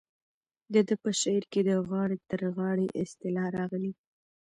د ده په شعر کې د غاړې تر غاړې اصطلاح راغلې.